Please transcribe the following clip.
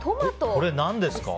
これ、何ですか？